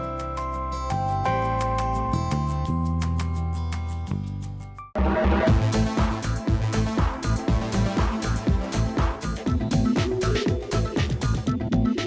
โปรดติดตามตอนต่อไป